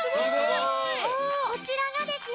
すごい！こちらがですね